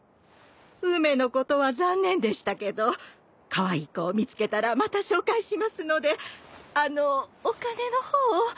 梅のことは残念でしたけどカワイイ子を見つけたらまた紹介しますのであのうお金の方を。